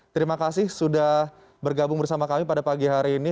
terima kasih sudah bergabung bersama kami pada pagi hari ini